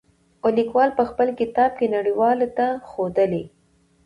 او ليکوال په خپل کتاب کې نړۍ والو ته ښودلي.